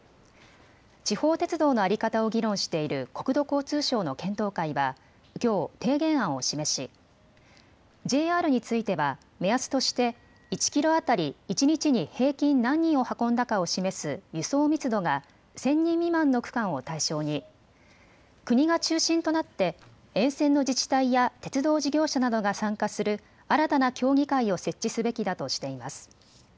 地方鉄道の在り方を議論している国土交通省の検討会はきょう提言案を示しＪＲについては目安として１キロ当たり一日に平均何人を運んだかを示す輸送密度が１０００人未満の区間を対象に国が中心となって沿線の自治体や鉄道事業者などが参加する新たな協議会を設置すべきだとしています。